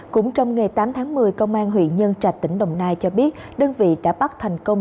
cũng trong ngày tám tháng một mươi công an huyện nhân trạch tỉnh đồng nai cho biết đơn vị đã bắt thành công